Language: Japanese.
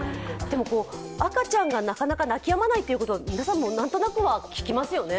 赤ちゃんがなかなか泣きやまないということ皆さんも何となくは聞きますよね。